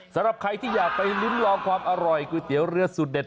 สำหรับใครที่อยากไปลิ้มลองความอร่อยก๋วยเตี๋ยวเรือสุดเด็ด